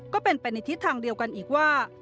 ก็เป็นไปในทิศทางเดียวกันอีกว่า